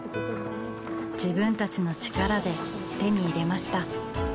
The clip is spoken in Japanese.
自分たちの力で手に入れました。